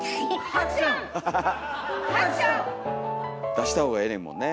出したほうがええねんもんね。